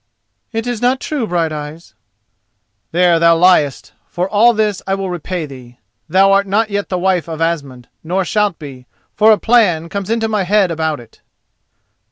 "It is not true, Brighteyes." "There thou liest, and for all this I will repay thee. Thou art not yet the wife of Asmund, nor shalt be, for a plan comes into my head about it."